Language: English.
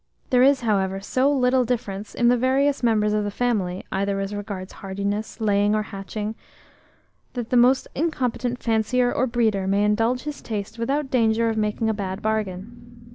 There is, however, so little difference in the various members of the family, either as regards hardiness, laying, or hatching, that the most incompetent fancier or breeder may indulge his taste without danger of making a bad bargain.